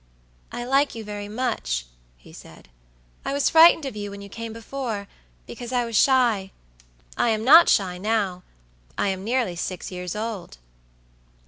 "I like you very much," he said. "I was frightened of you when you came before, because I was shy. I am not shy nowI am nearly six years old."